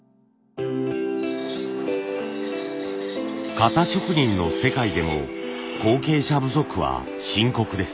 型職人の世界でも後継者不足は深刻です。